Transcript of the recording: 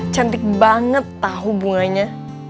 cantik banget tahu bunganya